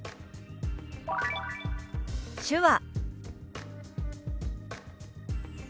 「手話」。